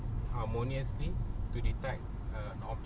แล้วจะประโยชน์หรือปล่อยอาบน้ำลงถ้าต้อง